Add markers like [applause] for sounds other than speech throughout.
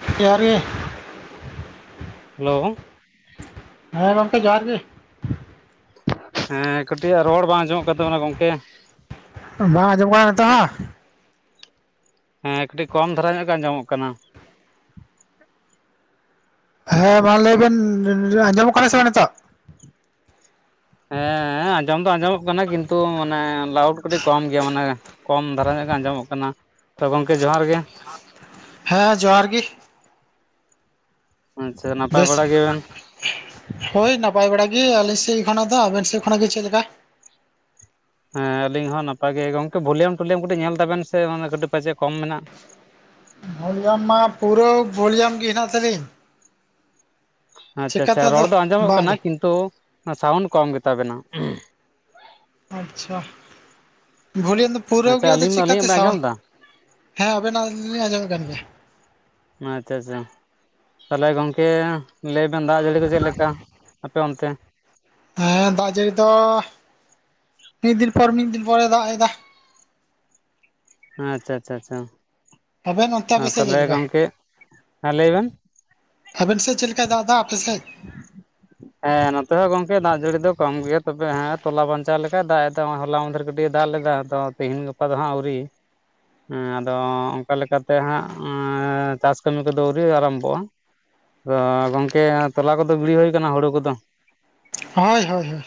[unintelligible] Hello ᱦᱮᱸ ᱜᱚᱢᱠᱮ ᱡᱚᱦᱟᱨ ᱜᱮ ᱦᱮᱸ ᱠᱟᱹᱴᱤᱡ ᱟ ᱨᱚᱲ ᱵᱟᱝ ᱟᱸᱡᱚᱢᱚᱜ ᱠᱟᱱ ᱛᱟᱵᱚᱱᱟ ᱜᱚᱝᱠᱮ ᱵᱟᱝ ᱟᱸᱡᱚᱢᱚᱜ [unintelligible] ᱦᱮᱸ ᱠᱟᱹᱴᱤᱡ ᱠᱚᱢ ᱫᱷᱟᱨᱟ ᱧᱚᱜ ᱜᱮ ᱟᱸᱡᱚᱢᱚᱜ ᱠᱟᱱᱟ ᱦᱮᱸ ᱢᱟ ᱞᱟᱹᱭᱵᱤᱱ ᱟᱸᱡᱚᱢᱚᱜ ᱠᱟᱱᱟ ᱥᱮ ᱵᱟᱝ ᱱᱤᱛᱚᱜ ᱦᱮᱸ ᱟᱸᱡᱚᱢ ᱫᱚ ᱟᱸᱡᱚᱢᱚᱜ ᱠᱟᱱᱟ ᱠᱤᱱᱛᱩ ᱢᱟᱱᱮ ᱞᱟᱭᱩᱰ ᱠᱟᱹᱴᱤᱡ ᱠᱚᱢ ᱜᱮᱭᱟ ᱢᱟᱱᱮ ᱠᱚᱢ ᱫᱷᱟᱨᱟ ᱧᱚᱜ ᱜᱮ ᱟᱸᱡᱚᱢᱚᱜ ᱠᱟᱱᱟ ᱛᱚ ᱜᱚᱢᱠᱮ ᱡᱚᱦᱟᱨ ᱜᱮ ᱦᱮᱸ ᱡᱚᱦᱟᱨ ᱜᱤ ᱟᱪᱪᱷᱟ ᱱᱟᱯᱟᱭ ᱵᱮᱥ ᱵᱟᱲᱟ ᱜᱮᱭᱟ ᱵᱮᱱ [unintelligible] ᱦᱳᱭ ᱱᱟᱯᱟᱭ ᱵᱟᱲᱟ ᱜᱮ ᱟᱹᱞᱤᱧ ᱥᱮᱫ ᱠᱷᱚᱱᱟᱜ ᱫᱚ, ᱟᱵᱮᱱ ᱥᱮᱫ ᱠᱷᱚᱱᱟᱜ ᱜᱮ ᱪᱮᱫ ᱞᱮᱠᱟ? ᱦᱮᱸ ᱟᱹᱞᱤᱧ ᱦᱚᱸ ᱱᱟᱯᱟᱭ ᱜᱮ, ᱜᱚᱝᱠᱮ ᱵᱷᱚᱞᱤᱭᱟᱢ ᱴᱚᱞᱤᱭᱟᱢ ᱠᱟᱹᱴᱤᱡ ᱧᱮᱞ ᱛᱟᱵᱮᱱ ᱥᱮ ᱠᱟᱹᱴᱤᱡ ᱯᱟᱪᱮ ᱠᱚᱢ ᱢᱮᱱᱟᱜ? ᱵᱷᱚᱞᱤᱭᱟᱢ ᱢᱟ ᱯᱩᱨᱟᱹ ᱵᱷᱚᱞᱤᱭᱟᱢ ᱜᱮ ᱦᱮᱱᱟᱜ ᱛᱟᱹᱞᱤᱧ ᱾ ᱟᱪᱪᱷᱟ ᱟᱪᱪᱷᱟ ᱟᱫᱚ ᱨᱚᱲ ᱫᱚ ᱟᱸᱡᱚᱢᱚᱜ ᱠᱟᱱᱟ ᱵᱟᱝᱜᱮ ᱠᱤᱱᱛᱩ ᱥᱟᱣᱩᱱᱰ ᱠᱚᱢ ᱜᱮᱛᱟᱵᱮᱱᱟ ᱟᱪᱪᱷᱟ [unintelligible] ᱯᱩᱨᱟᱹᱣ ᱟᱪᱪᱷᱟ ᱜᱮᱭᱟ ᱟᱫᱚ ᱟᱹᱞᱤᱧ ᱟᱹᱞᱤᱧᱟᱜ ᱪᱤᱠᱟᱛᱮ ᱵᱮᱱ ᱟᱸᱡᱚᱢ ᱥᱟᱣᱩᱱᱰ ᱮᱫᱟ ᱦᱮᱸ ᱟᱵᱮᱱᱟᱜ ᱞᱤᱧ ᱟᱸᱡᱚᱢᱮᱫ ᱠᱟᱱ ᱜᱮᱭᱟ ᱟᱪᱪᱷᱟ ᱟᱪᱪᱷᱟ ᱛᱟᱦᱚᱞᱮ ᱜᱚᱝᱠᱮ ᱞᱟᱹᱭᱵᱮᱱ ᱫᱟᱜ ᱡᱟᱹᱲᱤ ᱠᱚ ᱪᱮᱫ ᱞᱮᱠᱟ ᱟᱯᱮ ᱚᱱᱛᱮ ᱦᱮᱸ ᱫᱟᱜ ᱡᱟᱹᱲᱤ ᱫᱚ ᱢᱤᱫ ᱫᱤᱱ ᱯᱚᱨ ᱢᱤᱫ ᱫᱤᱱ ᱯᱚᱨᱮ ᱫᱟᱜ ᱮᱫᱟ ᱟᱪᱪᱷᱟ ᱟᱪᱪᱷᱟ ᱟᱪᱪᱷᱟ ᱟᱵᱮᱱ ᱚᱱᱛᱮ ᱟᱯᱮ ᱥᱮᱫ ᱪᱮᱫ ᱛᱟᱦᱚᱞᱮ ᱞᱮᱠᱟ ᱜᱚᱝᱠᱮ ᱦᱮᱸ ᱞᱟᱹᱭ ᱵᱮᱱ ᱟᱵᱮᱱ ᱥᱮᱱ ᱪᱮᱫ ᱞᱮᱠᱟᱭ ᱫᱟᱜ ᱫᱟ [unintelligible] ᱦᱮᱸ ᱱᱚᱛᱮ ᱦᱚᱸ ᱜᱚᱝᱠᱮ ᱫᱟᱜ ᱡᱟᱹᱲᱤ ᱫᱚ ᱠᱚᱢ ᱜᱮᱭᱟ, ᱛᱚᱵᱮ ᱦᱮᱸ ᱛᱚᱞᱟ ᱵᱟᱧᱪᱟᱣ ᱞᱮᱠᱟᱭ ᱫᱟᱜ ᱮᱫᱟ ᱦᱚᱞᱟ ᱢᱟᱫᱷᱮᱨ ᱠᱟᱹᱴᱤᱡ ᱮ ᱫᱟᱜ ᱞᱮᱫᱟ ᱾ ᱛᱤᱦᱤᱧ ᱜᱟᱯᱟ ᱫᱚ ᱦᱟᱸᱜ ᱟᱹᱣᱨᱤ ᱮᱸ ᱟᱫᱚ ᱚᱱᱠᱟ ᱞᱮᱠᱟᱛᱮ ᱦᱟᱸᱜ ᱚᱸᱻᱚ ᱪᱟᱥ ᱠᱟᱹᱢᱤ ᱠᱚᱫᱚ ᱟᱹᱣᱨᱤ ᱟᱨᱟᱢᱵᱷᱚᱜᱼᱟ ᱜᱚᱢᱠᱮ ᱛᱚᱞᱟ ᱠᱚᱫᱚ ᱜᱤᱲᱤ ᱦᱩᱭ ᱠᱟᱱᱟ ᱦᱩᱲᱩ ᱠᱚᱫᱚ ᱦᱳᱭ ᱦᱳᱭ ᱦᱳᱭ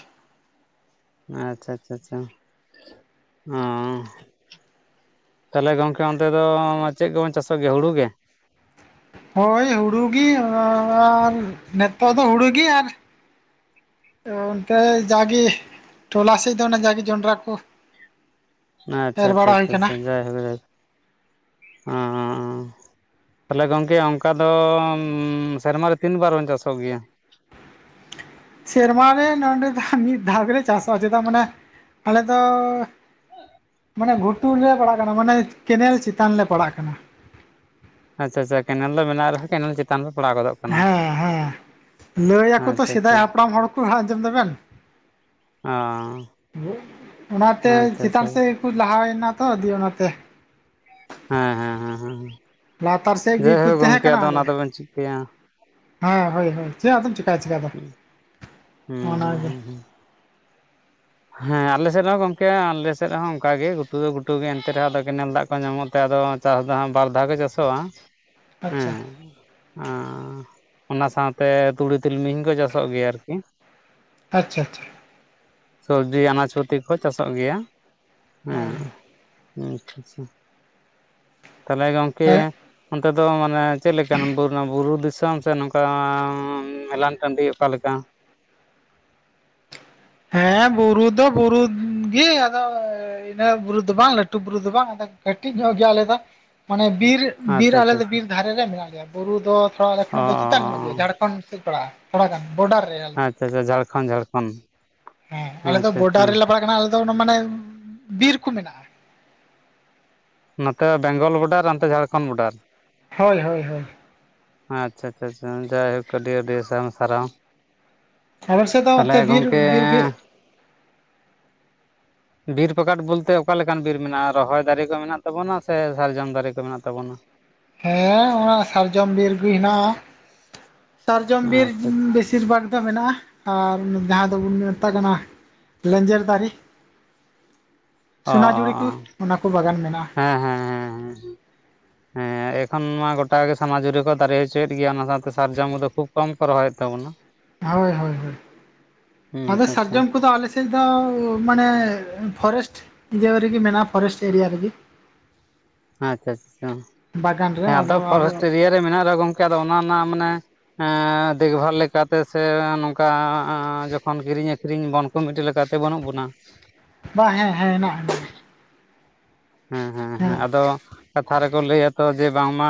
ᱟᱪᱪᱷᱟ ᱟᱪᱪᱷᱟ ᱟᱪᱪᱷᱟ ᱾ᱦᱩᱸ ᱛᱟᱦᱚᱞᱮ ᱜᱚᱝᱠᱮ ᱚᱱᱛᱮ ᱫᱚ ᱪᱮᱫ ᱜᱮᱵᱚᱱ ᱪᱟᱥᱚᱜ ᱜᱮᱭᱟ ᱦᱩᱲᱩ ᱜᱮ? ᱦᱳᱭ ᱦᱩᱲᱩᱜᱮ ᱟᱻᱟᱻᱨ ᱱᱤᱛᱚᱜ ᱫᱚ ᱦᱩᱲᱩᱜ ᱜᱮ ᱟᱨ ᱚ ᱚᱱᱛᱮ ᱡᱟᱜᱮ ᱴᱚᱞᱟ ᱥᱮᱫ ᱫᱚ ᱚᱱᱟ ᱡᱟᱜᱮ ᱡᱚᱱᱰᱨᱟ ᱠᱚ ᱟᱪᱪᱷᱟ ᱮᱨ ᱟᱪᱪᱷᱟ ᱵᱟᱲᱟ ᱦᱩᱭ ᱟᱪᱪᱷᱟ ᱟᱠᱟᱱᱟ ᱟᱪᱷᱟ ᱡᱟᱭ ᱦᱳᱠ ᱡᱟᱭ ᱦᱳᱠ ᱚᱸᱻᱚᱸᱻᱚᱸ ᱛᱟᱦᱚᱞᱮ ᱜᱚᱝᱠᱮ ᱚᱱᱠᱟ ᱫᱚ ᱥᱮᱨᱢᱟ ᱨᱮ ᱛᱤᱱ ᱵᱟᱨ ᱵᱚᱱ ᱪᱟᱥᱚᱜ ᱜᱮᱭᱟ ᱥᱮᱨᱢᱟ ᱨᱮ ᱱᱚᱸᱰᱮ ᱫᱚ ᱢᱤᱫ ᱫᱷᱟᱣ ᱜᱮᱞᱮ ᱪᱟᱥᱚᱜᱼᱟ ᱪᱮᱫᱟᱜ ᱢᱟᱱᱮ ᱟᱞᱮ ᱫᱚᱻᱚ ᱢᱟᱱᱮ ᱜᱷᱩᱴᱩ ᱨᱮᱞᱮ ᱯᱟᱲᱟᱜ ᱠᱟᱱᱟ ᱢᱟᱱᱮ ᱠᱮᱱᱮᱞ ᱪᱮᱛᱟᱱ ᱞᱮ ᱯᱟᱲᱟᱜ ᱠᱟᱱᱟ ᱟᱪᱪᱷᱟ ᱟᱪᱪᱷᱟ ᱠᱮᱱᱮᱞ ᱫᱚ ᱢᱮᱱᱟᱜ ᱨᱮᱦᱚᱸ ᱠᱮᱱᱮᱞ ᱪᱮᱛᱟᱱ ᱯᱮ ᱯᱟᱲᱟᱣ ᱜᱚᱫᱚᱜ ᱠᱟᱱᱟ ᱦᱮᱸ ᱦᱮᱸ ᱞᱟᱹᱭ ᱟᱠᱚ ᱛᱚ ᱟᱪᱪᱷᱟ ᱟᱪᱪᱷᱟ ᱥᱮᱫᱟᱭ ᱦᱟᱯᱲᱟᱢ ᱦᱚᱲ ᱠᱚ ᱟᱸᱡᱚᱢ ᱫᱟᱵᱮᱱ ᱚ ᱚᱱᱟᱛᱮ ᱟᱪᱪᱷᱟ ᱟᱪᱪᱷᱟ ᱪᱮᱛᱟᱱ ᱥᱮᱫ ᱞᱟᱦᱟᱣᱮᱱᱟ ᱛᱚ ᱫᱤᱭᱮ ᱚᱱᱟᱛᱮ ᱦᱮᱸ ᱦᱮᱸ ᱦᱮᱸ ᱦᱮᱸ ᱞᱟᱛᱟᱨ ᱥᱮᱫ ᱜᱮᱠᱚ ᱡᱟᱭᱦᱳᱠ ᱛᱟᱦᱮᱸ ᱜᱚᱢᱠᱮ ᱠᱟᱱᱟ ᱟᱫᱚ ᱟᱞᱮ ᱚᱱᱟ ᱫᱚᱵᱮᱱ ᱪᱤᱠᱟᱹᱭᱟ ᱦᱮᱸ ᱦᱳᱭ ᱦᱳᱭ ᱪᱮᱫ ᱟᱫᱚᱢ ᱪᱮᱠᱟᱭ ᱪᱮᱠᱟ ᱫᱚ ᱦᱩᱸ ᱦᱩᱸ ᱚᱱᱟᱜᱮ ᱦᱩᱸ ᱦᱩᱸ [unintelligible] ᱦᱮᱸ ᱟᱞᱮ ᱥᱮᱫ ᱦᱚᱸ ᱜᱚᱝᱠᱮ ᱟᱞᱮ ᱥᱮᱫ ᱦᱚᱸ ᱚᱱᱠᱟ ᱜᱮ ᱜᱷᱩᱴᱩ, ᱜᱷᱩᱴᱩ ᱜᱮ ᱮᱱᱛᱮ ᱨᱮᱦᱚᱸ ᱟᱫᱚ ᱠᱮᱱᱮᱞ ᱫᱟᱜ ᱠᱚ ᱧᱟᱢᱚᱜ ᱛᱮ ᱟᱫᱚ ᱪᱟᱥ ᱫᱚ ᱦᱟᱜ ᱵᱟᱨ ᱫᱷᱟᱣ ᱜᱮ ᱪᱟᱥᱚᱜᱼᱟ ᱦᱩᱸ ᱟᱪᱪᱷᱟ ᱚᱱᱟ ᱥᱟᱶᱛᱮ ᱛᱩᱲᱤ ᱛᱤᱞᱢᱤᱧ ᱠᱚ ᱪᱟᱥᱚᱜ ᱜᱮᱭᱟ ᱟᱨᱠᱤ ᱟᱪᱪᱷᱟ ᱟᱪᱷᱟ ᱥᱚᱵᱽᱡᱤ ᱟᱱᱟᱡ ᱯᱟᱛᱤ ᱠᱚ ᱪᱟᱥᱚᱜ ᱜᱮᱭᱟ᱾ ᱟᱪᱪᱷᱟ ᱦᱮᱸ ᱟᱪᱪᱷᱟ ᱟᱪᱪᱷᱟ ᱛᱟᱞᱮ ᱜᱚᱝᱠᱮ ᱦᱮᱸ ᱚᱱᱛᱮ ᱫᱚ ᱢᱟᱱᱮ ᱪᱮᱫᱞᱮᱠᱟᱱ ᱵᱩᱨᱩ ᱫᱤᱥᱚᱢ ᱥᱮ ᱱᱚᱝᱠᱟ ᱢᱮᱞᱟᱱ ᱴᱟᱺᱰᱤ ᱚᱠᱟᱞᱮᱠᱟ ᱦᱮᱸ ᱵᱩᱨᱩ ᱫᱚ ᱵᱩᱨᱩ ᱜᱮ ᱟᱫᱚ ᱤᱱᱟᱹ ᱵᱩᱨᱩ ᱫᱚ ᱵᱟᱝ ᱞᱟᱹᱴᱩ ᱵᱩᱨᱩ ᱫᱚ ᱵᱟᱝ ᱟᱫᱚ ᱠᱟᱹᱴᱤᱡ ᱧᱚᱜ ᱜᱮᱭᱟ ᱟᱞᱮ ᱫᱚ ᱢᱟᱱᱮ ᱵᱤᱨ ᱵᱤᱨ ᱟᱪᱪᱷᱟ ᱟᱪᱪᱷᱟ ᱟᱞᱮᱫᱚ ᱵᱤᱨ ᱫᱷᱟᱨᱮ ᱨᱮ ᱢᱮᱱᱟᱜ ᱞᱮᱭᱟ ᱵᱩᱨᱩ ᱫᱚ ᱛᱷᱚᱲᱟ ᱮᱠᱷᱚᱱ ᱫᱚ ᱪᱮᱛᱟᱱ ᱧᱚᱜ ᱜᱮᱭᱟ ᱚ ᱡᱷᱟᱲᱠᱷᱚᱸᱰ ᱥᱮᱫ ᱯᱟᱲᱟᱜ ᱛᱷᱚᱲᱟ ᱜᱟᱱ ᱵᱚᱰᱟᱨ ᱨᱮ ᱟᱞᱮ ᱫᱚ ᱪᱮᱪᱮ ᱡᱷᱟᱲᱠᱷᱚᱸᱱᱰ ᱡᱷᱟᱲᱠᱷᱚᱸᱱᱰ ᱦᱮᱸ ᱟᱞᱮ ᱫᱚ ᱵᱚᱰᱟᱨ ᱨᱮᱞᱮ ᱯᱟᱲᱟᱜ ᱠᱟᱱᱟ ᱟᱞᱮ ᱫᱚ ᱚᱱᱟ ᱢᱟᱱᱮ ᱵᱤᱨ ᱠᱚ ᱢᱮᱱᱟᱜᱼᱟ ᱱᱚᱛᱮ ᱵᱮᱝᱜᱚᱞ ᱵᱚᱰᱟᱨ ᱚᱱᱛᱮ ᱡᱷᱟᱲᱠᱷᱚᱸᱱ ᱵᱚᱰᱟᱨ ᱦᱳᱭ ᱦᱳᱭ ᱦᱳᱭ ᱟᱪᱪᱷᱟ ᱟᱪᱷᱟ ᱟᱪᱷᱟ ᱡᱟᱭᱦᱳᱠ ᱟᱹᱰᱤ ᱟᱹᱰᱤ ᱥᱟᱨᱚᱢ ᱥᱟᱨᱦᱟᱣ ᱟᱞᱮ ᱥᱮᱫ ᱫᱚ ᱛᱟᱦᱚᱞᱮ ᱚᱱᱛᱮ ᱵᱤᱨ ᱜᱚᱝᱠᱮ ᱵᱤᱨ ᱜᱮ ᱵᱤᱨ ᱯᱟᱠᱟᱴ ᱵᱚᱞᱛᱮ ᱚᱠᱟ ᱞᱮᱠᱟᱱ ᱵᱤᱨ ᱢᱮᱱᱟᱜᱼᱟ, ᱨᱚᱦᱚᱭ ᱫᱟᱨᱮ ᱠᱚ ᱢᱮᱱᱟᱜ ᱛᱟᱵᱚᱱᱟ ᱥᱮ ᱥᱟᱨᱡᱚᱢ ᱫᱟᱨᱮ ᱠᱚ ᱢᱮᱱᱟᱜ ᱛᱟᱵᱚᱱᱟ᱾ [inaudible] ᱦᱮᱸ ᱚᱱᱟ ᱥᱟᱨᱡᱚᱢ ᱵᱤᱨ ᱜᱮ ᱦᱮᱱᱟᱜᱼᱟ ᱥᱟᱨᱡᱚᱢ ᱵᱤᱨ ᱟᱪᱪᱷᱟ ᱵᱮᱥᱤ ᱟᱪᱪᱷᱟ ᱵᱤᱥᱤᱨ ᱵᱷᱟᱜᱽ ᱫᱚ ᱢᱮᱱᱟᱜᱼᱟ ᱟᱨ ᱡᱟᱦᱟᱸ ᱫᱚᱵᱚᱱ ᱢᱮᱛᱟᱜ ᱠᱟᱱᱟ ᱞᱮᱧᱡᱮᱨ ᱫᱟᱨᱮ ᱚ ᱚ ᱥᱚᱱᱟᱡᱷᱩᱲᱤ ᱠᱚ ᱚ ᱚᱱᱟ ᱠᱚ ᱵᱟᱜᱟᱱ ᱢᱮᱱᱟᱜᱼᱟ ᱦᱮᱸ ᱦᱮᱸ ᱦᱮᱸ [inaudible] ᱦᱮᱸ ᱮᱠᱷᱚᱱ ᱢᱟ ᱜᱚᱴᱟ ᱜᱮ ᱥᱚᱱᱟ ᱡᱩᱨᱤ ᱠᱚ ᱫᱟᱨᱮ ᱦᱚᱪᱚᱭᱮᱫ ᱜᱮᱭᱟ ᱚᱱᱟ ᱥᱟᱶᱛᱮ ᱥᱟᱨᱡᱚᱢ ᱫᱚ ᱠᱷᱩᱵᱽ ᱠᱚᱢ ᱠᱚ ᱨᱚᱦᱚᱭᱮᱫ ᱛᱟᱵᱚᱱᱟ ᱦᱳᱭ ᱦᱳᱭ ᱦᱳᱭ ᱦᱩᱸ ᱾ᱟᱫᱚ ᱟᱪᱪᱷᱟ ᱟᱪᱪᱷᱟ ᱥᱟᱨᱡᱚᱢ ᱠᱚᱫᱚ ᱟᱞᱮ ᱥᱮᱫ ᱥᱮᱫ ᱫᱚ ᱢᱟᱱᱮ ᱯᱷᱚᱨᱮᱥᱴ ᱤᱨᱤᱭᱟ ᱨᱮᱜᱮ ᱢᱮᱱᱟᱜᱼᱟ ᱯᱷᱚᱨᱮᱥᱴ ᱮᱨᱤᱭᱟ ᱨᱮᱜᱮ ᱟᱪᱪᱷᱟ ᱟᱪᱪᱷᱟ᱾ ᱵᱟᱜᱟᱱ ᱨᱮ ᱦᱮᱸ ᱟᱫᱚ ᱟᱵᱚ ᱯᱷᱚᱨᱮᱥᱴ ᱮᱨᱤᱭᱟ ᱢᱮᱱᱟᱜ ᱨᱮᱦᱚ ᱜᱚᱢᱠᱮ ᱟᱫᱚ ᱚᱱᱟ ᱨᱮᱱᱟᱜ ᱢᱟᱱᱮ ᱫᱮᱠᱷᱵᱷᱟᱞ ᱞᱮᱠᱟᱛᱮ ᱥᱮ ᱱᱚᱝᱠᱟ ᱡᱚᱠᱷᱚᱱ ᱠᱤᱨᱤᱧ ᱟᱹᱠᱷᱨᱤᱧ ᱵᱚᱱ ᱠᱚᱢᱤᱴᱤ ᱞᱮᱠᱟᱛᱮ ᱵᱟᱹᱱᱩᱜ ᱵᱚᱱᱟ ᱵᱟᱝ ᱦᱮᱸ ᱦᱮᱸ ᱦᱮᱱᱟᱜᱼᱟ ᱦᱮᱸ ᱦᱮᱸ ᱦᱮᱸ ᱟᱫᱚ ᱠᱟᱛᱷᱟ ᱨᱮᱠᱚ ᱞᱟᱹᱭᱟᱛᱚ ᱡᱮ ᱵᱟᱝᱢᱟ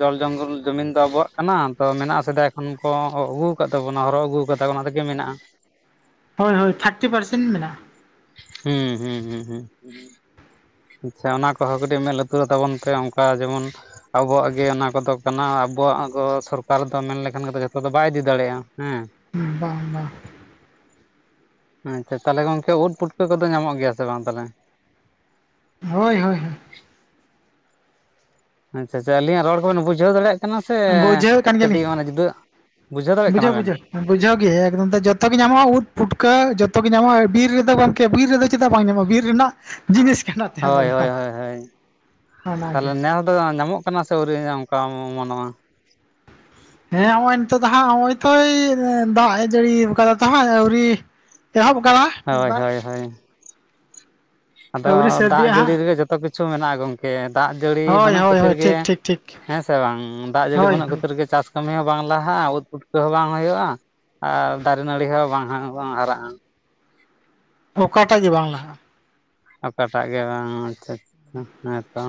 ᱡᱚᱞ ᱡᱚᱝᱜᱚᱞ ᱡᱩᱢᱤᱱ ᱫᱚ ᱟᱵᱚᱣᱟᱜ ᱠᱟᱱᱟ ᱛᱚ ᱢᱮᱱᱟᱜᱼᱟ ᱥᱮᱫᱟᱭ ᱚᱱᱠᱚ ᱟᱹᱜᱩ ᱟᱠᱟᱫ ᱛᱟᱵᱚᱱᱟ ᱦᱚᱨᱚᱜ ᱟᱹᱜᱩ ᱟᱠᱟᱫᱟ ᱚᱱᱟ ᱛᱮᱜᱮ ᱢᱮᱱᱟᱜᱼᱟ᱾ ᱦᱳᱭ ᱦᱳᱭ ᱛᱷᱟᱨᱴᱤ ᱯᱟᱨᱥᱮᱱ ᱢᱮᱱᱟᱜᱼᱟ ᱦᱩᱸ ᱦᱩᱸ ᱦᱩᱸ ᱦᱩᱸ ᱟᱪᱪᱷᱟ ᱚᱱᱟ ᱠᱚᱦᱚᱸ ᱠᱟᱹᱴᱤᱡ ᱢᱮᱸᱫ ᱞᱩᱛᱩᱨᱚᱜ ᱛᱟᱵᱚᱱ ᱯᱮ ᱚᱱᱠᱟ ᱡᱮᱢᱚᱱᱼᱼ ᱟᱵᱚᱣᱟᱜ ᱜᱮ ᱚᱱᱟ ᱠᱚᱫᱚ ᱠᱟᱱᱟ ᱟᱵᱚᱣᱟᱜ ᱜᱚ ᱥᱚᱨᱠᱟᱨ ᱫᱚ ᱢᱮᱱ ᱞᱮᱠᱷᱟᱱ ᱡᱚᱛᱚ ᱫᱚ ᱵᱟᱭ ᱤᱫᱤ ᱫᱟᱲᱮᱭᱟᱜ-ᱟ ᱦᱮᱸ᱾ ᱵᱟᱝ ᱵᱟᱝ ᱟᱪᱪᱷᱟ ᱛᱟᱦᱚᱞᱮ ᱜᱚᱝᱠᱮ ᱩᱫ ᱯᱩᱴᱠᱟᱹ ᱠᱚᱫᱚ ᱧᱟᱢᱚᱜ ᱜᱮᱭᱟ ᱥᱮ ᱵᱟᱝ ᱛᱟᱦᱚᱞᱮ ᱦᱳᱭ ᱦᱳᱭ ᱦᱳᱭ ᱟᱪᱪᱷᱟ ᱟᱪᱷᱟ ᱟᱞᱤᱧ ᱨᱚᱲᱵᱮᱱ ᱵᱩᱷᱟᱹᱣ ᱫᱟᱲᱭᱟᱜ ᱢᱟᱥᱮ ᱵᱩᱡᱷᱟᱹᱣᱮᱫ ᱠᱟᱱ ᱜᱮᱭᱟᱞᱤᱧ ᱠᱟᱹᱴᱤᱡ ᱢᱟᱱᱮ ᱡᱩᱫᱟᱹ ᱵᱩᱡᱷᱟᱹᱣ ᱫᱟᱲᱮᱜ ᱠᱟᱱᱟ ᱵᱮᱱ? ᱵᱩᱡᱷᱟᱹᱣᱜᱮ ᱮᱠᱫᱚᱢ ᱫᱚ ᱡᱷᱚᱛᱚ ᱜᱮ ᱧᱟᱢᱚᱜᱼᱟ ᱩᱫ ᱯᱷᱩᱴᱠᱟᱹ ᱡᱚᱛᱚ ᱜᱮ ᱧᱟᱢᱚᱜᱼᱟ ᱵᱤᱨ ᱨᱮᱫᱚ ᱵᱟᱝ ᱵᱤᱨ ᱨᱮᱫᱚ ᱪᱮᱫᱟᱜ ᱵᱟᱝ ᱧᱟᱢᱚᱜᱼᱟ ᱵᱤᱨ ᱨᱮᱱᱟᱜ ᱡᱤᱱᱤᱥ ᱠᱟᱱᱟ ᱛᱮ ᱚᱱᱟ ᱦᱳᱭ ᱦᱳᱭ ᱫᱚ ᱦᱳᱭ ᱦᱳᱭ ᱚᱱᱟᱜᱮ ᱛᱟᱦᱚᱞᱮ ᱱᱮᱥ ᱫᱚ ᱧᱟᱢᱚᱜ ᱠᱟᱱᱟ ᱠᱟᱱᱟ ᱥᱮ ᱟᱹᱣᱨᱤ ᱚᱱᱠᱟᱢ ᱚᱢᱚᱱᱚᱜᱼᱟ ᱦᱮᱸ ᱦᱚᱸᱜ-ᱚᱭ ᱱᱤᱛᱚᱜ ᱫᱚ ᱦᱟᱸᱜ ᱦᱚᱸᱜ-ᱚᱭ ᱛᱚᱭ ᱮ ᱫᱟᱜ ᱮ ᱡᱟᱹᱲᱤᱣ ᱠᱟᱫᱟ ᱛᱚ ᱦᱟᱸᱜ ᱟᱹᱣᱨᱤ᱾ ᱮᱦᱚᱵ ᱟᱠᱟᱫᱟ᱾ ᱢᱤᱫ ᱦᱚᱭ ᱵᱟᱨ ᱦᱚᱭ ᱦᱚᱭ᱾ ᱟᱫᱚ ᱟᱹᱣᱨᱤ ᱫᱟᱜ ᱥᱟᱹᱨᱫᱤᱜᱼᱟ ᱡᱟᱹᱲᱤ ᱦᱟᱸᱜ ᱨᱮᱜᱮ ᱡᱚᱛᱚ ᱠᱤᱪᱷᱩ ᱢᱮᱱᱟᱜ-ᱟ ᱜᱚᱝᱠᱮ ᱫᱟᱜ ᱡᱟᱹᱲᱤ ᱦᱳᱭ ᱵᱟᱹᱱᱩᱜ ᱦᱳᱭ ᱠᱷᱟᱹᱛᱤᱨ ᱦᱳᱭ ᱜᱮᱼᱼ ᱴᱷᱤᱠ ᱴᱷᱤᱠ ᱴᱷᱤᱠ ᱦᱮᱸ ᱥᱮ ᱵᱟᱝ ᱫᱟᱜ ᱡᱟᱹᱲᱤ ᱦᱳᱭ ᱵᱟᱹᱱᱩᱜ ᱦᱳᱭ ᱠᱷᱟᱹᱛᱤᱨ ᱜᱮ ᱪᱟᱥᱼᱼ ᱠᱟᱹᱢᱤ ᱦᱚᱸ ᱵᱟᱝ ᱞᱟᱦᱟᱜ-ᱟ ᱩᱫᱽ ᱯᱩᱴᱠᱟᱹ ᱦᱚᱸ ᱵᱟᱝ ᱦᱩᱭᱩᱜ-ᱟ ᱟᱨ ᱫᱟᱨᱮ ᱱᱟᱹᱲᱤ ᱦᱚᱸ ᱵᱟᱝ ᱦᱟ‌ ᱵᱟᱝ ᱦᱟᱨᱟᱜ-ᱟ᱾ ᱚᱠᱟ ᱴᱟᱜ ᱜᱮ ᱵᱟᱝ ᱞᱟᱦᱟᱜ-ᱟ᱾ ᱚᱠᱟ ᱴᱟᱜ ᱜᱮ ᱵᱟᱝ ᱟᱪᱪᱷᱟ ᱪᱚ ᱦᱮᱸᱛᱚ᱾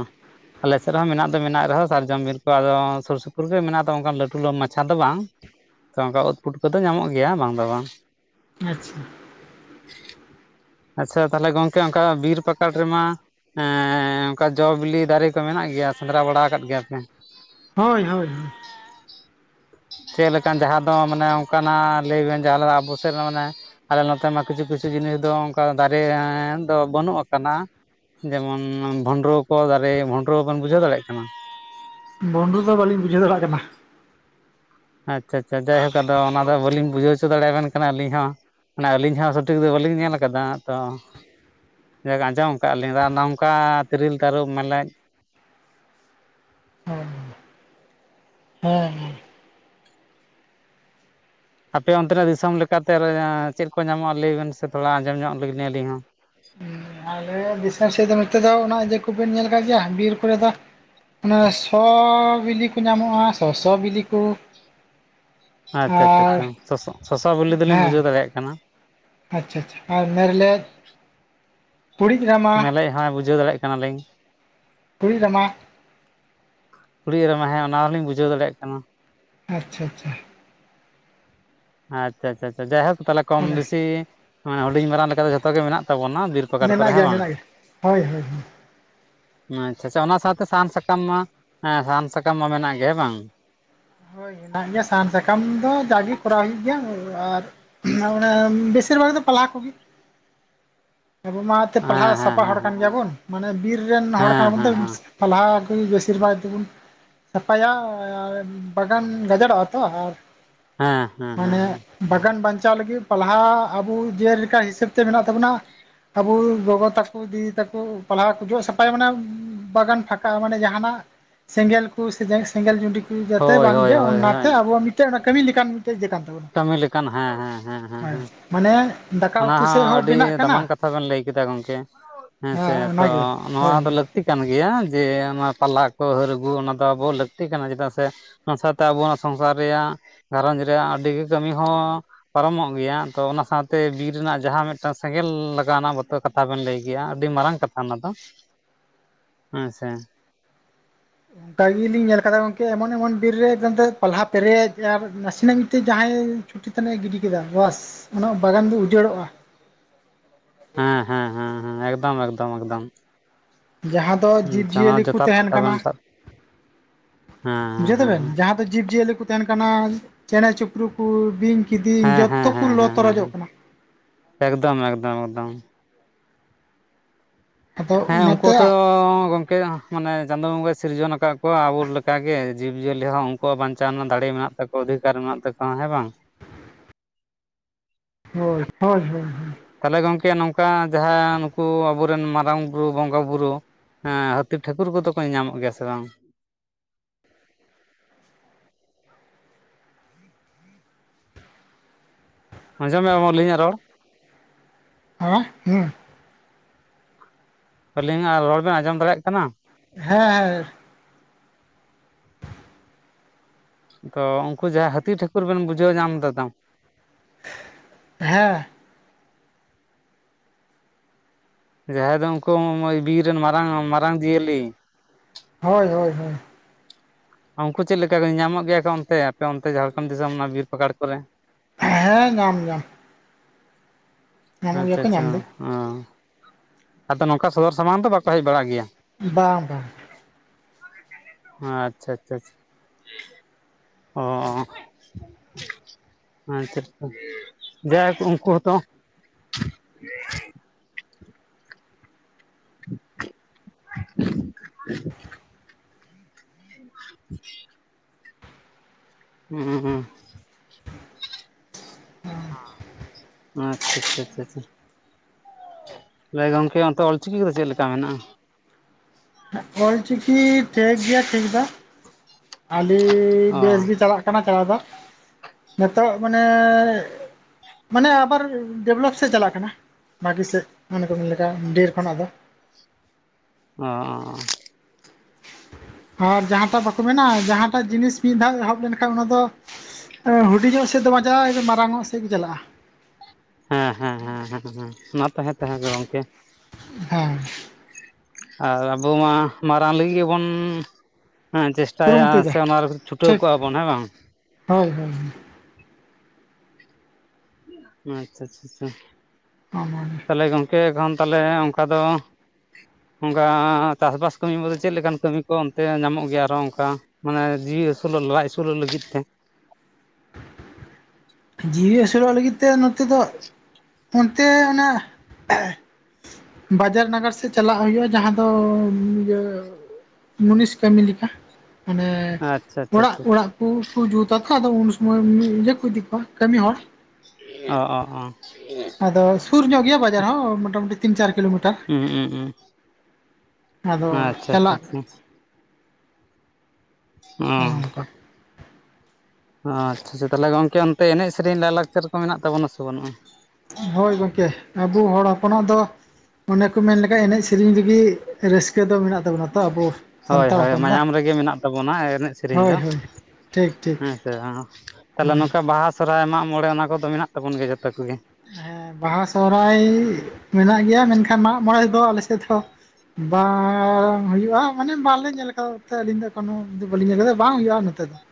ᱟᱞᱮ ᱥᱮᱜ ᱨᱮᱦᱚᱸ ᱢᱮᱱᱟᱜ ᱫᱚ ᱢᱮᱱᱟᱜ ᱨᱮᱦᱚᱸ ᱥᱟᱨᱡᱚᱢ ᱵᱤᱨ ᱠᱚ ᱟᱫᱚ ᱥᱩᱨ ᱥᱩᱯᱩᱨ ᱜᱮ ᱢᱮᱱᱟᱜ ᱫᱚ ᱚᱱᱠᱟᱱ ᱞᱟᱹᱴᱩ ᱞᱚ ᱢᱟᱪᱷᱟ ᱫᱚ ᱵᱟᱝ᱾ ᱛᱚ ᱚᱱᱠᱟ ᱩᱫ ᱯᱩᱴᱠᱟᱹ ᱠᱚᱫᱚ ᱧᱟᱢᱚᱜ ᱜᱮᱭᱟ ᱵᱟᱝ ᱫᱚ ᱵᱟᱝ᱾ ᱟᱪᱪᱷᱟ᱾ ᱟᱪᱪᱷᱟ ᱛᱟᱦᱚᱞᱮ ᱜᱚᱝᱠᱮ ᱚᱱᱠᱟ ᱵᱤᱨ ᱯᱟᱠᱟᱲ ᱨᱮᱢᱟᱼᱼ ᱮᱸᱻ ᱚᱱᱠᱟ ᱡᱚᱼᱵᱤᱞᱤ ᱫᱟᱨᱮ ᱠᱚ ᱢᱮᱱᱟᱜ ᱜᱮᱭᱟ ᱥᱮᱸᱫᱽᱨᱟ ᱵᱟᱲᱟ ᱟᱠᱟᱫ ᱜᱮᱭᱟ ᱯᱮ? ᱦᱚᱸᱭ ᱦᱳᱭ ᱦᱳᱭ᱾ ᱪᱮᱫ ᱞᱮᱠᱟᱱ ᱡᱟᱦᱟᱸ ᱫᱚ ᱢᱟᱱᱮ ᱚᱱᱠᱟ ᱱᱟᱜ ᱞᱟᱹᱭ ᱵᱮᱱ ᱡᱟᱦᱟᱸ ᱞᱮᱠᱟ ᱟᱵᱩ ᱥᱮᱜ ᱨᱮ ᱢᱟᱱᱮᱼᱼ ᱟᱞᱮ ᱱᱚᱛᱮ ᱢᱟ ᱠᱤᱪᱷᱩ ᱠᱤᱪᱷᱩ ᱡᱤᱱᱤᱥ ᱫᱚ ᱚᱱᱠᱟ ᱫᱟᱨᱮ ᱮᱸ ᱫᱚ ᱵᱟᱹᱱᱩᱜ ᱟᱠᱟᱱᱟ᱾ ᱡᱮᱢᱚᱱ ᱵᱷᱩᱱᱰᱨᱩ ᱠᱚ ᱫᱟᱨᱮ ᱵᱷᱩᱱᱰᱨᱩ ᱵᱮᱱ ᱵᱩᱡᱷᱟᱹᱣ ᱫᱟᱲᱮᱭᱟᱜ ᱠᱟᱱᱟ᱾ ᱵᱚᱱᱰᱨᱩ ᱫᱚ ᱵᱟᱹᱞᱤᱧ ᱵᱩᱡᱷᱟᱹᱣ ᱫᱟᱲᱮᱭᱟᱜ ᱠᱟᱱᱟ᱾ ᱟᱪᱪᱷᱟ ᱟᱪᱷᱟ ᱡᱟᱭᱦᱳᱠ ᱟᱫᱚ ᱚᱱᱟ ᱫᱚ ᱵᱟᱹᱞᱤᱧ ᱵᱩᱡᱷᱟᱹᱣ ᱪᱩᱼᱼ ᱪᱩ ᱫᱟᱲᱮ ᱭᱟᱵᱮᱱ ᱠᱟᱱᱟ ᱟᱹᱞᱤᱧ ᱦᱚᱸ ᱢᱟᱱᱮ ᱟᱹᱞᱤᱧ ᱦᱚᱸ ᱥᱚᱴᱷᱤᱠ ᱫᱚ ᱵᱟᱹᱞᱤᱧ ᱧᱮᱞ ᱠᱟᱫᱟ ᱛᱚᱼᱼ ᱡᱚ ᱟᱸᱡᱚᱢ ᱟᱠᱟᱜ ᱞᱤᱧ ᱟᱨ ᱱᱚᱝᱠᱟ ᱛᱤᱨᱤᱞ ᱛᱟᱹᱨᱩᱵ ᱢᱮᱨᱞᱮᱡᱼᱼ ᱚᱸ ᱦᱮᱸ ᱦᱮ᱾ᱸ ᱟᱯᱮ ᱚᱱᱛᱮ ᱱᱟᱜ ᱫᱤᱥᱚᱢ ᱞᱮᱠᱟ ᱛᱮ ᱟᱫᱚ ᱚᱸ ᱪᱮᱫ ᱠᱚ ᱧᱟᱢᱚᱜ-ᱟ ᱞᱟᱹᱭ ᱵᱮᱱ ᱥᱮ ᱛᱷᱚᱲᱟ ᱟᱸᱡᱚᱢ ᱧᱚᱜ ᱞᱤᱜᱤ ᱞᱤᱧ ᱟᱹᱞᱤᱧ ᱦᱚᱸ? ᱦᱩᱸ ᱟᱞᱮ ᱫᱤᱥᱚᱢ ᱥᱮᱫ ᱫᱚ ᱱᱚᱛᱮ ᱫᱚ ᱚᱱᱟ ᱤᱭᱟᱹ ᱠᱩᱵᱮᱱ ᱧᱮᱞ ᱟᱠᱟᱜ ᱜᱮᱭᱟ ᱵᱤᱨ ᱠᱩᱨᱮ ᱫᱚᱼᱼ ᱚᱱᱟ ᱥᱚ ᱵᱤᱞᱤ ᱠᱩ ᱧᱟᱢᱚᱜ-ᱟ ᱥᱚᱥᱚ ᱵᱤᱞᱤ ᱠᱩ᱾ ᱟᱪᱪᱷᱟ ᱟᱪᱷᱟ ᱪᱟ ᱥᱚᱥᱚ ᱥᱚᱥᱚ ᱵᱤᱞᱤ ᱫᱚᱞᱤᱧ ᱦᱮᱸ ᱵᱩᱡᱷᱟᱹᱣ ᱫᱟᱲᱮᱭᱟᱜ ᱠᱟᱱᱟ᱾ ᱟᱪᱪᱷᱟ ᱟᱪᱷᱟ ᱟᱨ ᱢᱮᱨᱞᱮᱫᱼᱼ ᱢᱮᱨᱞᱮᱡ ᱦᱚᱸᱭ ᱵᱩᱡᱷᱟᱹᱣ ᱫᱟᱲᱮᱭᱟᱜ ᱠᱟᱱᱟ ᱞᱤᱧ᱾ ᱠᱩᱬᱤᱡ ᱨᱟᱢᱟ᱾ ᱠᱩᱲᱤ ᱨᱟᱢᱟ ᱦᱮᱸ ᱚᱱᱟ ᱦᱚᱸ ᱞᱤᱧ ᱵᱩᱡᱷᱟᱹᱣ ᱫᱟᱲᱮᱭᱟᱜ ᱠᱟᱱᱟ᱾ ᱟᱪᱪᱷᱟ ᱟᱪᱷᱟ᱾ ᱟᱪᱪᱷᱟ ᱟᱪᱷᱟ ᱪᱷᱟᱪᱟ ᱡᱟᱭᱦᱳᱠ ᱛᱟᱦᱮ ᱠᱚᱢ ᱚᱱᱮ ᱵᱮᱥᱤ ᱢᱟᱱᱮ ᱦᱩᱰᱤᱧ ᱢᱟᱨᱟᱝ ᱞᱮᱠᱟ ᱫᱚ ᱡᱚᱛᱚ ᱜᱮ ᱢᱮᱱᱟᱜ ᱛᱟᱵᱚᱱᱟ ᱵᱤᱨ ᱯᱟᱠᱟᱨ ᱠᱚᱨᱮ ᱢᱮᱱᱟᱜ ᱦᱮᱸ ᱜᱮᱭᱟ ᱵᱟᱝ? ᱢᱮᱱᱟᱜ ᱜᱮᱭᱟ ᱦᱳᱭ ᱦᱳᱭ ᱢᱟ ᱟᱪᱪᱷᱟ ᱟᱪᱷᱟ ᱚᱱᱟ ᱥᱟᱶᱛᱮ ᱥᱟᱦᱟᱱ ᱥᱟᱠᱟᱢ ᱢᱟ ᱮᱸ ᱥᱟᱦᱟᱱ ᱥᱟᱠᱟᱢ ᱢᱟ ᱢᱮᱱᱟᱜ ᱜᱮ ᱦᱮᱸ ᱵᱟᱝ᱾ ᱦᱚᱭ ᱦᱮᱱᱟᱜ ᱜᱤᱭᱟ ᱥᱟᱦᱟᱱ ᱥᱟᱠᱟᱢ ᱫᱚ ᱡᱟᱜᱤ‌ ᱠᱚᱨᱟᱣ ᱦᱩᱭᱩᱜ ᱜᱤᱭᱟ ᱩᱸ ᱟᱨᱼᱼ ᱱᱟᱣ ᱲᱟᱢ ᱵᱮᱥᱤᱨ ᱵᱷᱟᱜᱽ ᱫᱚ ᱯᱟᱞᱦᱟ ᱠᱩᱜᱤ᱾ ᱟᱹᱵᱩ ᱢᱟ ᱮᱱᱛᱮᱫ ᱯᱟᱞᱦᱟ ᱦᱮᱸ ᱥᱟᱯᱟ ᱦᱚᱲ ᱠᱟᱱ ᱜᱤᱭᱟ ᱦᱮᱸ ᱵᱩᱱ ᱢᱟᱱᱮ ᱵᱤᱨ ᱨᱮᱱ ᱦᱚᱲ ᱠᱟᱱᱟ ᱦᱮᱸ ᱵᱩᱱ ᱦᱮᱸ ᱦᱮᱸ ᱦᱮᱸ ᱛᱚᱼᱼ ᱯᱟᱞᱦᱟ ᱠᱩᱜᱤ ᱵᱮᱥᱤᱨ ᱵᱷᱟᱜᱽ ᱛᱤᱵᱩᱱᱼᱼ ᱥᱟᱯᱟᱭᱟ ᱟᱨ ᱻ ᱵᱟᱜᱟᱱ ᱜᱟᱡᱟᱲᱚᱜ-ᱟ ᱛᱚ ᱟᱨᱼᱼ ᱦᱮᱸ ᱦᱮᱸ ᱦᱮᱸ ᱦᱚᱸ᱾ ᱵᱟᱜᱟᱱ ᱵᱟᱧᱪᱟᱣ ᱞᱟᱹᱜᱤᱫ ᱯᱟᱞᱦᱟ ᱟᱵᱩ ᱡᱮᱞᱮᱠᱟ ᱦᱤᱥᱟᱹᱵᱽ ᱛᱮ ᱢᱮᱱᱟᱜ ᱛᱟᱹᱵᱩᱱᱟ᱾ ᱟᱵᱩ ᱜᱚᱜᱚ ᱛᱟᱠᱩ ᱫᱤᱫᱤ ᱛᱟᱹᱠᱩ ᱯᱟᱞᱦᱟ ᱠᱩ ᱡᱚᱜ ᱥᱟᱯᱷᱟᱭᱟ ᱢᱟᱱᱮᱢᱼᱼ ᱵᱟᱜᱟᱱ ᱯᱷᱟᱠᱟᱜ-ᱟ ᱢᱟᱱᱮ ᱡᱟᱦᱟᱸ ᱱᱟᱜ ᱥᱮᱸᱜᱮᱞ ᱠᱩ ᱥᱮ ᱡᱮ ᱥᱮᱸᱜᱮᱞ ᱡᱩᱰᱤ ᱠᱩᱼᱼ ᱤ ᱡᱟᱛᱮ ᱦᱳᱭ ᱵᱟᱝ ᱦᱳᱭ ᱜᱮ ᱦᱳᱭ ᱚᱱᱟ ᱛᱮ ᱦᱳᱭ ᱟᱵᱚᱣᱟᱜ ᱢᱤᱫᱴᱮᱡ ᱚᱱᱟ ᱠᱟᱹᱢᱤ ᱞᱮᱠᱟᱱ ᱢᱤᱫᱴᱮᱡ ᱭᱟᱹ ᱠᱟᱱᱼᱼ ᱠᱟᱹᱢᱤ ᱞᱮᱠᱟᱱ ᱦᱮᱸ ᱦᱮᱸ ᱦᱮᱸ ᱦᱮᱸᱦᱮᱸ᱾ ᱢᱟᱱᱮ ᱫᱟᱠᱟ ᱩᱛᱩ ᱥᱮᱜ ᱦᱚᱸ ᱵᱮᱱᱟᱜ ᱠᱟᱱᱟ᱾ ᱫᱟᱢᱟᱱ ᱠᱟᱛᱷᱟ ᱵᱮᱱ ᱞᱟᱹᱭ ᱠᱮᱫᱟ ᱜᱚᱝᱠᱮ ᱦᱮᱸ ᱥᱮ ᱛᱚ ᱚᱱᱟᱜᱮ ᱱᱚᱶᱟ ᱦᱳᱭ ᱫᱚ ᱦᱳᱭ ᱞᱟᱹᱠᱼᱼ ᱛᱤ ᱠᱟᱱ ᱜᱮᱭᱟ ᱡᱮ ᱚᱱᱟ ᱯᱟᱞᱦᱟ ᱠᱚ ᱦᱟᱹᱨ ᱟᱹᱜᱩ ᱚᱱᱟ ᱫᱚ ᱟᱵᱚ ᱞᱟᱹᱠᱛᱤ ᱠᱟᱱᱟ ᱪᱮᱫᱟᱜ ᱥᱮᱼᱼ ᱚᱱᱟ ᱥᱟᱶᱛᱮ ᱟᱵᱚ ᱱᱚᱣᱟ ᱥᱚᱝᱥᱟᱨ ᱨᱮᱭᱟᱜ ᱜᱷᱟᱨᱚᱡᱽ ᱨᱮᱭᱟᱜ ᱟᱹᱰᱤᱜ ᱠᱟᱹᱢᱤ ᱦᱚᱸ ᱯᱟᱨᱚᱢᱚᱜ ᱜᱮᱭᱟ ᱛᱚ ᱚᱱᱟ ᱥᱟᱶᱛᱮ ᱛᱮ ᱵᱤᱨ ᱨᱮᱱᱟᱜ ᱡᱟᱦᱟᱸ ᱢᱤᱫᱴᱟᱝ ᱥᱮᱸᱜᱮᱞ ᱞᱟᱜᱟᱣ ᱨᱮᱱᱟᱜ ᱵᱚᱛᱚᱨ ᱠᱟᱛᱷᱟ ᱵᱮᱱ ᱞᱟᱹᱭ ᱠᱮᱜᱼᱟᱹᱰᱤ ᱢᱟᱨᱟᱝ ᱠᱟᱛᱷᱟ ᱚᱱᱟ ᱫᱚ ᱾ ᱟᱪᱪᱷᱟ ᱚᱱᱠᱟ ᱜᱮ ᱞᱤᱧ ᱧᱮᱞ ᱟᱠᱟᱫᱟ ᱜᱚᱝᱠᱮ ᱮᱢᱚᱱ ᱮᱢᱚᱱ ᱵᱤᱨ ᱨᱮ ᱯᱟᱞᱦᱟ ᱯᱮᱨᱮᱡ ᱟᱨ ᱱᱟᱥᱮᱱᱟᱜ ᱢᱤᱫᱴᱮᱡ ᱡᱟᱦᱟᱸᱭ ᱪᱩᱴᱤ ᱛᱱᱟᱜ ᱮ ᱜᱤᱰᱤ ᱠᱮᱫᱟ ᱵᱟᱥ ᱩᱱᱟᱹᱜ ᱵᱟᱜᱟᱱ ᱫᱚ ᱩᱡᱟᱹᱲᱚᱜᱼᱟ ᱾ ᱦᱮᱸᱻᱦᱮᱸᱻᱦᱮᱸᱻᱦᱮᱸ, ᱮᱠᱫᱚᱢᱻᱮᱠᱫᱚᱢᱻ ᱮᱠᱫᱚᱢ ᱾ ᱡᱟᱦᱟᱸ ᱫᱚ ᱡᱤᱵᱡᱤᱭᱟᱹᱞᱤ ᱠᱚ ᱡᱚᱛᱷᱟᱛ ᱛᱟᱦᱮᱱ ᱠᱟᱛᱷᱟ ᱠᱟᱱᱟ ᱵᱮᱱ ᱥᱟᱵ ᱦᱮᱸ ᱵᱩᱡᱷᱟᱹᱣ ᱦᱮᱸ ᱫᱟᱲᱮ ᱦᱮᱸ [unintelligible] ᱡᱟᱦᱟᱸ ᱡᱤᱵᱽᱡᱤᱭᱟᱹᱞᱤ ᱠᱚ ᱛᱟᱦᱮᱸᱱ ᱠᱟᱱᱟ ᱪᱮᱬᱮ ᱪᱩᱯᱨᱩ ᱠᱚ ᱵᱤᱧ ᱠᱤᱫᱤᱧ ᱦᱮᱸ ᱦᱮᱸ ᱡᱚᱛᱚ ᱠᱚ ᱦᱮᱸ ᱞᱚ ᱦᱮᱸ ᱦᱮᱸ ᱦᱮᱸ ᱛᱚᱨᱚᱡᱚᱜ ᱠᱟᱱᱟ ᱮᱠᱫᱚᱢ ᱮᱠᱫᱚᱢ ᱮᱠᱫᱚᱢ ᱟᱫᱚ ᱦᱮᱸ ᱩᱱᱠᱩ ᱚᱱᱟᱛᱮ ᱛᱚ ᱜᱚᱝᱠᱮ ᱢᱟᱱᱮ ᱪᱟᱸᱫᱳ ᱵᱚᱸᱜᱟ ᱥᱤᱨᱡᱚᱱ ᱟᱠᱟᱜ ᱠᱚᱣᱟ ᱟᱵᱚ ᱞᱮᱠᱟᱜᱮ, ᱡᱤᱵᱽᱼᱡᱤᱭᱟᱹᱞᱤ ᱦᱚᱸ ᱩᱱᱠᱩᱣᱟᱜ ᱵᱟᱧᱪᱟᱣ ᱨᱮᱱᱟᱜ ᱫᱟᱲᱮ ᱢᱮᱱᱟᱜ ᱛᱟᱠᱚᱼᱣᱟ ᱾ ᱚᱫᱷᱤᱠᱟᱨ ᱢᱮᱱᱟᱜ ᱛᱟᱠᱚᱣᱟ ᱦᱮᱸ ᱵᱟᱝ ᱾ ᱦᱳᱭ ᱦᱳᱭ ᱦᱳᱭ ᱦᱳᱭ ᱛᱟᱦᱚᱞᱮ ᱜᱚᱢᱠᱮ ᱱᱚᱝᱠᱟ ᱡᱟᱦᱟᱸ ᱱᱩᱠᱩ ᱟᱵᱚᱨᱮᱱ ᱢᱟᱨᱟᱝ ᱵᱩᱨᱩ ᱵᱚᱸᱜᱟ ᱵᱩᱨᱩ ᱦᱮᱸ ᱦᱟᱹᱛᱤ ᱴᱷᱟᱹᱠᱩᱨ ᱠᱚᱫᱚ ᱠᱚ ᱧᱟᱢᱚᱜ ᱜᱮᱭᱟ ᱥᱮ ᱵᱟᱝ? ᱟᱸᱚᱢ ᱢᱮᱢ ᱟᱹᱞᱤᱧᱟᱜ ᱨᱚᱲ ᱦᱮ ᱦᱩᱸ ᱟᱹᱞᱤᱧᱟᱜ ᱨᱚᱲ ᱵᱮᱱ ᱟᱸᱡᱚᱢ ᱫᱟᱲᱮᱭᱟᱜ ᱠᱟᱱᱟ? ᱦᱮᱸᱻᱦᱮᱸ ᱾ ᱛᱚ ᱩᱱᱠᱩ ᱡᱟᱦᱟᱸ ᱦᱟᱹᱛᱤ ᱴᱷᱟᱹᱠᱩᱨ ᱵᱮᱱ ᱵᱩᱡᱷᱟᱹᱣ ᱧᱟᱢ ᱫᱟᱛᱚ ᱾ ᱦᱮᱸ ᱡᱟᱦᱟᱸᱭ ᱫᱚ ᱩᱱᱠᱩᱜ ᱵᱤᱨ ᱨᱮᱱ ᱢᱟᱨᱟᱝ ᱢᱟᱨᱟᱝ ᱡᱤᱭᱟᱹᱞᱤ ᱦᱳᱭᱻᱦᱳᱭᱻᱦᱳᱭ ᱾ ᱩᱱᱠᱩ ᱪᱮᱫ ᱞᱮᱠᱟ ᱧᱟᱢᱚᱜ ᱜᱮᱭᱟ ᱠᱚ ᱚᱱᱛᱮ ᱟᱯᱮ ᱚᱱᱛᱮ, ᱡᱷᱟᱲᱠᱷᱚᱱ ᱫᱤᱥᱚᱢ ᱚᱱᱟ ᱵᱤᱨ ᱯᱟᱠᱟᱲ ᱠᱚᱨᱮ? ᱦᱮᱸ ᱧᱟᱢ ᱧᱟᱢ ᱧᱟᱢᱚᱜ ᱜᱮᱭᱟ ᱟᱪᱪᱷᱟ ᱠᱚ ᱧᱟᱢ ᱟᱪᱪᱷᱟ. ᱫᱚ ᱚ ᱟᱫᱚ ᱱᱚᱝᱠᱟ ᱥᱚᱫᱚᱨ ᱥᱟᱢᱟᱱ ᱫᱚ ᱵᱟᱠᱚ ᱦᱮᱡ ᱵᱟᱲᱟᱜ ᱜᱮᱭᱟ? ᱵᱟᱝ ᱵᱟᱝ ᱟᱪᱷᱟ-ᱟᱪᱷᱟ ᱾ ᱚᱸ [unintelligible] ᱡᱟᱭᱦᱚ ᱩᱱᱠᱩ ᱦᱚᱸᱛᱚ [inaudible] [inaudible] ᱦᱩᱸ ᱟᱪᱷᱟ ᱟᱪᱷᱟ ᱟᱪᱷᱟ ᱟᱪᱷᱟ ᱞᱟᱹᱭ ᱜᱚᱝᱠᱮ ᱚᱱᱛᱮ ᱚᱞᱪᱤᱠᱤ ᱠᱚᱫᱚ ᱪᱮᱫᱞᱮᱠᱟ ᱢᱮᱱᱟᱜᱼᱟ? ᱦᱮ ᱚᱞᱪᱤᱠᱤ ᱴᱷᱤᱠ ᱜᱮᱭᱟ ᱴᱷᱤᱠ ᱫᱚ ᱾ ᱟᱹᱰᱤ ᱚ ᱵᱮᱥᱜ ᱜᱮ ᱪᱟᱞᱟᱜ ᱠᱟᱱᱟ ᱪᱟᱞᱟᱣ ᱫᱚ ᱱᱤᱛᱚᱜ ᱢᱟᱱᱮ ᱢᱟᱱᱮ ᱟᱵᱟᱨ ᱰᱮᱵᱷᱞᱚᱯ ᱥᱮᱫ ᱪᱟᱞᱟᱜ ᱠᱟᱱᱟ ᱵᱷᱟᱜᱤ ᱥᱮᱫ ᱢᱟᱱᱮ ᱠᱚ ᱢᱮᱱ ᱞᱮᱠᱟ ᱰᱷᱮᱨ ᱠᱷᱚᱱᱟᱜ ᱫᱚ ᱚ ᱟᱨ ᱡᱟᱦᱟᱸᱴᱟᱜ ᱵᱟᱠᱚ ᱢᱮᱱᱟ ᱡᱟᱦᱟᱸᱴᱟᱜ ᱡᱤᱱᱤᱥ ᱢᱤᱫ ᱫᱷᱟᱣ ᱮᱦᱚᱵ ᱞᱮᱱ ᱠᱷᱟᱱ ᱚᱱᱟ ᱫᱚ ᱦᱩᱰᱤᱧᱚᱜ ᱥᱮᱫ ᱫᱚ ᱵᱟᱝᱪᱟᱜᱼᱟ ᱮ ᱢᱟᱨᱟᱝ ᱚᱜ ᱥᱮᱫ ᱜᱮ ᱪᱟᱞᱟᱜᱼᱟ ᱾ ᱦᱮᱸ ᱦᱮᱸ ᱦᱮᱸ ᱦᱮ ᱢᱟ ᱛᱟᱦᱮᱸ ᱛᱟᱦᱮᱸ ᱜᱮ ᱜᱚᱝᱠᱮ᱾ ᱦᱮᱸ ᱟᱨ ᱟᱵᱚ ᱢᱟ ᱢᱟᱨᱟᱝ ᱞᱟᱹᱜᱤᱫ ᱜᱮᱵᱚᱱ ᱦᱮᱸ ᱪᱮᱥᱴᱟ ᱪᱟᱭᱟ ᱠᱩᱨᱩᱢᱩᱴᱩᱭᱮᱫᱟ ᱥᱮ ᱚᱱᱟ ᱨᱮ ᱪᱷᱩᱴᱟᱹᱣ ᱴᱷᱤᱠ ᱠᱚᱜᱼᱟ ᱵᱚᱱ ᱦᱮᱸ ᱵᱟᱝ? ᱦᱳᱭ- ᱦᱳᱭ ᱾ ᱟᱪᱷᱟᱻᱟᱪᱷᱟᱻᱟᱪᱷᱟ ᱾ [unintelligible] ᱛᱟᱦᱚᱞᱮ ᱜᱚᱢᱠᱮ ᱮᱠᱷᱚᱱ ᱛᱟᱦᱚᱞᱮ ᱚᱱᱠᱟ ᱫᱚ? ᱚᱱᱠᱟ ᱪᱟᱥᱵᱟᱥ ᱠᱟᱹᱢᱤ ᱡᱮ ᱪᱮᱫ ᱞᱮᱠᱟᱱ ᱠᱟᱹᱢᱤ ᱠᱚ ᱚᱱᱛᱮ ᱧᱟᱢᱚᱜ ᱜᱮᱭᱟ ᱟᱨᱦᱚᱸ ᱚᱱᱠᱟ ᱢᱟᱱᱮ ᱡᱤᱣᱤ ᱟᱹᱥᱩᱞᱚᱜ ᱞᱟᱡ ᱟᱹᱥᱩᱞᱚᱜ ᱞᱟᱹᱜᱤᱫ ᱛᱮ ᱾ ᱡᱤᱣᱤ ᱟᱹᱥᱩᱞᱚᱜ ᱞᱟᱹᱜᱤᱫ ᱛᱮ ᱱᱚᱛᱮ ᱫᱚ ᱚᱱᱛᱮ ᱚᱱᱟ ᱵᱟᱡᱟᱨ ᱱᱟᱜᱟᱨ ᱥᱮᱫ ᱪᱟᱞᱟᱜ ᱦᱩᱭᱩᱜᱼᱟ ᱡᱟᱦᱟᱸ ᱫᱚ ᱤᱭᱟᱹ ᱢᱩᱱᱤᱥ ᱠᱟᱹᱢᱤ ᱞᱮᱠᱟ ᱢᱟᱱᱮ ᱟᱪᱪᱷᱟ ᱟᱪᱪᱷᱟ ᱚᱲᱟᱜ ᱟᱪᱪᱷᱟ ᱚᱲᱟᱜ ᱾ ᱩᱱ ᱠᱩ ᱡᱩᱛᱟ ᱛᱚ ᱟᱫᱚ ᱩᱱ ᱥᱩᱢᱚᱭ ᱤᱭᱟᱹ ᱠᱚ ᱤᱫᱤ ᱠᱚᱣᱟ ᱠᱟᱹᱢᱤ ᱦᱚᱲ ᱚ ᱚ ᱚ ᱟᱫᱚ ᱥᱩᱨ ᱧᱚᱜ ᱜᱮᱭᱟ ᱵᱟᱡᱟᱨ ᱦᱚᱸ ᱢᱚᱴᱟᱢᱩᱴᱤ ᱛᱤᱱ ᱪᱟᱨ ᱠᱤᱞᱳᱢᱤᱴᱟᱨ ᱾ ᱦᱩᱸ ᱦᱩᱸ ᱦᱩᱸ ᱟᱫᱚ ᱟᱪᱪᱷᱟ ᱟᱪᱪᱷᱟ ᱪᱟᱞᱟᱜ ᱟᱪᱪᱷᱟ ᱚᱱᱮ ᱚᱸ ᱚᱱᱠᱟ ᱟᱪᱪᱷᱟᱪᱷᱟ ᱛᱟᱦᱚᱞᱮ ᱜᱚᱝᱠᱮ ᱚᱱᱛᱮ ᱮᱱᱮᱡ ᱥᱮᱨᱮᱧ ᱞᱟᱭᱼᱞᱟᱠᱪᱟᱨ ᱠᱚ ᱢᱮᱱᱟᱜ ᱛᱟᱵᱚᱱᱟ ᱥᱮ ᱵᱟᱹᱱᱩᱜᱼᱟ ᱾ ᱦᱳᱭ ᱜᱚᱝᱠᱮ ᱾ ᱟᱵᱚ ᱦᱚᱲ ᱦᱚᱯᱚᱱᱟᱜ ᱫᱚ ᱚᱱᱮ ᱠᱚ ᱢᱮᱱ ᱞᱮᱠᱷᱟᱱᱡ ᱮᱱᱮᱡ ᱥᱮᱨᱮᱧ ᱨᱮᱜᱮ ᱨᱟᱹᱥᱠᱟᱹ ᱫᱚ ᱢᱮᱱᱟᱜ ᱛᱟᱵᱚᱱᱟ ᱛᱚ ᱟᱵᱚ ᱦᱳᱭ ᱥᱟᱱᱛᱟᱲ ᱦᱳᱭ ᱾ ᱦᱚᱯᱚᱱ ᱫᱚ ᱢᱟᱭᱟᱢ ᱨᱮᱜᱮ ᱢᱮᱱᱟᱜ ᱛᱟᱵᱚᱱᱟ ᱮᱱᱮᱡ ᱥᱮᱨᱮᱧ ᱦᱳᱭ ᱫᱚ ᱾ ᱦᱳᱭ ᱴᱷᱤᱠ ᱴᱷᱤᱠ ᱦᱮᱸ ᱥᱮ ᱛᱟᱦᱞᱮ ᱦᱮᱸ ᱱᱚᱝᱠᱟ ᱵᱟᱦᱟ ᱥᱚᱨᱚᱦᱟᱭ ᱢᱟᱜ ᱢᱚᱬᱮ ᱚᱱᱟ ᱠᱚᱫᱚ ᱢᱮᱱᱟᱜ ᱛᱟᱵᱚᱱ ᱜᱮᱭᱟ ᱡᱚᱛᱚ ᱠᱚᱜᱮ ᱦᱮᱸ ᱵᱟᱦᱟ ᱥᱚᱦᱚᱨᱟᱭ ᱢᱮᱱᱟᱜ ᱜᱮᱭᱟ ᱢᱮᱱ ᱠᱷᱟᱱ ᱢᱟᱜ ᱢᱚᱬᱮᱫᱚ ᱟᱞᱮ ᱥᱮᱫ ᱫᱚ ᱵᱟᱝ ᱦᱩᱭᱩᱜᱼᱟ ᱢᱟᱱᱮ ᱵᱟᱝᱞᱮ ᱧᱮᱞ ᱟᱠᱟᱫᱟ ᱟᱹᱞᱤᱧ ᱫᱚ ᱠᱚᱱᱳ ᱵᱟᱞᱤᱧ ᱧᱮᱞ ᱟᱠᱟᱫᱟ ᱵᱟᱝ ᱦᱩᱭᱩᱜᱼᱟ ᱱᱚᱛᱮ ᱫᱚ ᱾